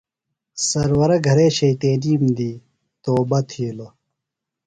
سرورہ گھرے شیطینیم دی توبہ تِھیلوۡ۔